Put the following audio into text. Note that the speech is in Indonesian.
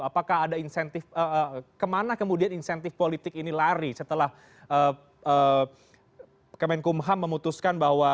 apakah ada insentif kemana kemudian insentif politik ini lari setelah kemenkumham memutuskan bahwa